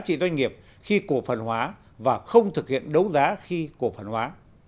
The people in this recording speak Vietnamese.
nhưng không tính giá trị doanh nghiệp khi cổ phần hóa và không thực hiện đấu giá khi cổ phần hóa